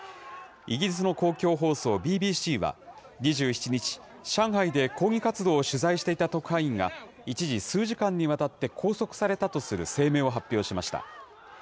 イギリスの公共放送ＢＢＣは、２７日、上海で抗議活動を取材していた特派員が、一時、数時間にわたって拘束されたとする声明を発表しました。